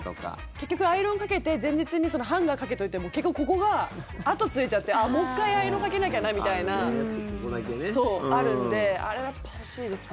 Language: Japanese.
結局、アイロンかけて前日にハンガーかけといても結局、ここが跡ついちゃってもう１回アイロンかけなきゃなみたいなのがあるんであれはやっぱ欲しいですね。